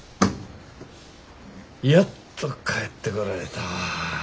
やっと帰ってこられたわ。